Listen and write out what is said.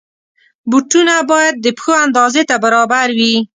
بوټونه باید د پښو اندازې ته برابر وي.